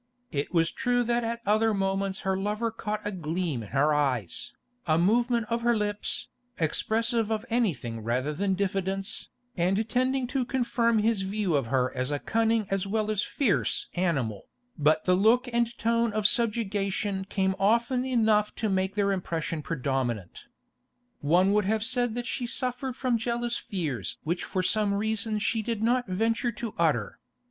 It was true that at other moments her lover caught a gleam in her eyes, a movement of her lips, expressive of anything rather than diffidence, and tending to confirm his view of her as a cunning as well as fierce animal, but the look and tone of subjugation came often enough to make their impression predominant. One would have said that she suffered from jealous fears which for some reason she did not venture to utter.